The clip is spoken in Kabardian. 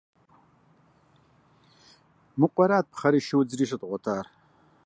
Мы къуэрат пхъэри шыудзри щыдгъуэтыр.